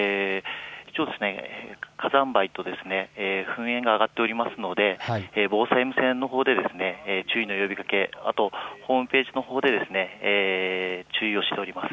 火山灰と噴煙が上がっていますので防災無線のほうで注意の呼びかけ、ホームページのほうで、注意しております。